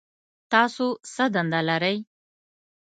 تاسو څه دنده لرئ؟